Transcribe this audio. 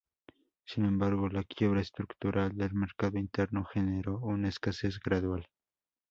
Sin embargo, la quiebra estructural del mercado interno generó una escasez gradual.